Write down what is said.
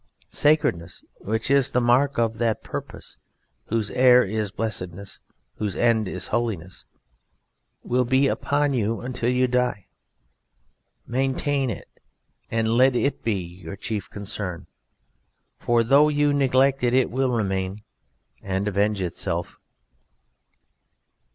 Sacredness, which is the mark of that purpose whose heir is blessedness, whose end is holiness, will be upon you until you die; maintain it, and let it be your chief concern, for though you neglect it, it will remain and avenge itself.